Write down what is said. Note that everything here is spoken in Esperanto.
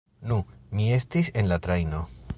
Nu, mi estis en la trajno...